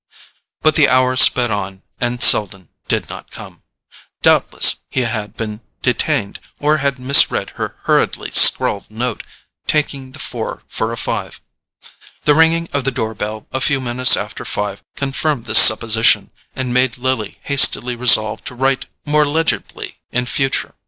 But the hour sped on and Selden did not come. Doubtless he had been detained, or had misread her hurriedly scrawled note, taking the four for a five. The ringing of the door bell a few minutes after five confirmed this supposition, and made Lily hastily resolve to write more legibly in future.